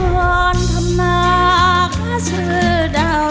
ร้องได้ให้ร้าง